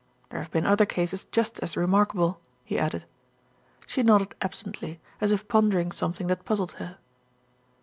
There have been other cases just as remarkable," he added. She nodded absently, as if pondering something that puzzled her.